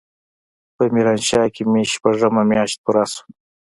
په ميرانشاه کښې مې شپږمه مياشت پوره سوه.